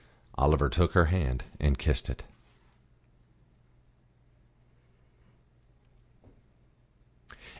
Oliver took her hand and kissed it.